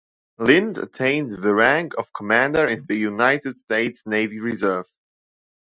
Lind attained the rank of Commander in the United States Navy Reserve.